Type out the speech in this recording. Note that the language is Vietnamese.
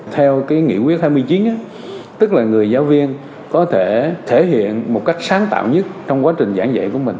theo nghị quyết hai mươi chín tức là người giáo viên có thể thể hiện một cách sáng tạo nhất trong quá trình giảng dạy của mình